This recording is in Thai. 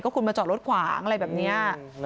คุณมาจอดรถขวางอะไรแบบนี้